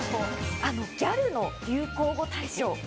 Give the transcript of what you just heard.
ギャルの流行語大賞。